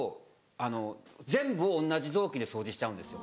あの全部を同じ雑巾で掃除しちゃうんですよ。